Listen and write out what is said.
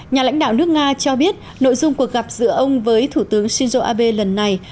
nhà lãnh đạo nước nga cho biết nội dung cuộc gặp giữa ông với thủ tướng shinzo abe lần này